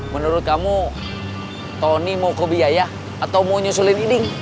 menurut kamu tony mau ke biaya atau mau nyusulin iding